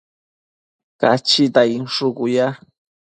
Cachita inshucu ya